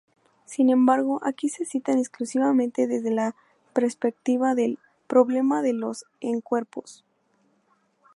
Sin embargo, aquí se citan exclusivamente desde la perspectiva del "problema de los n-cuerpos".